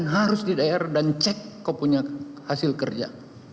tujuh puluh delapan puluh harus di daerah dan cek kau punya hasil kerja